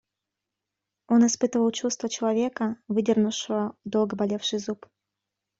Он испытывал чувство человека, выдернувшего долго болевший зуб.